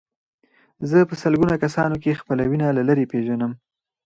زه په سلګونه کسانو کې خپله وینه له لرې پېژنم.